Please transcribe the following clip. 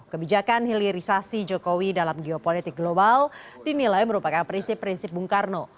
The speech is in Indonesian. kebijakan hilirisasi jokowi dalam geopolitik global dinilai merupakan prinsip prinsip bung karno